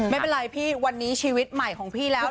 ไม่เป็นไรพี่วันนี้ชีวิตใหม่ของพี่แล้ว